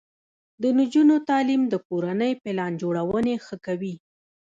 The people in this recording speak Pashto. د نجونو تعلیم د کورنۍ پلان جوړونې ښه کوي.